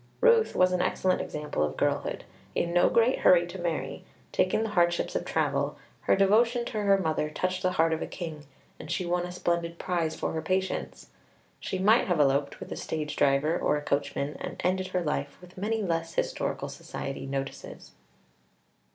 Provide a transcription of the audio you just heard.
Ruth was an excellent example of girlhood. In no great hurry to marry, taking the hardships of travel, her devotion to her mother touched the heart of a king, and she won a splendid prize for her patience. She might have eloped with a stage driver or a coachman, and ended her life with many less historical society notices.